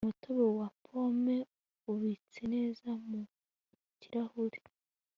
Umutobe wa pome ubitse neza mu kirahuri